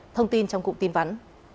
thông tin trong cụm tin vắn